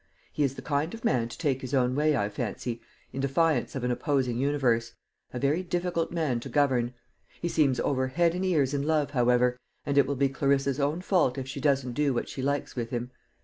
He is the kind of man to take his own way, I fancy, in defiance of an opposing universe a very difficult man to govern. He seems over head and ears in love, however, and it will be Clarissa's own fault if she doesn't do what she likes with him.